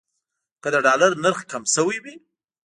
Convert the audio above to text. که د ډالر نرخ کم شوی وي.